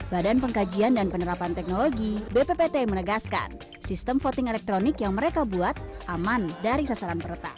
badan pengkajian dan penerapan teknologi bppt menegaskan sistem voting elektronik yang mereka buat aman dari sasaran peretas